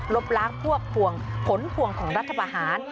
ลบล้างพวกผวงผลผวงของรัฐพาหาร